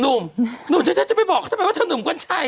หนุ่มหนุ่มฉันจะไปบอกเขาทำไมว่าเธอหนุ่มกัญชัย